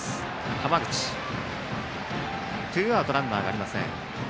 浜口がとってツーアウトランナーがありません。